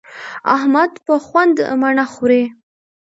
احمد په خوند مڼه خوري.